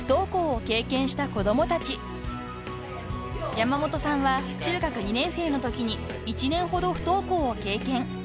［山本さんは中学２年生のときに１年ほど不登校を経験］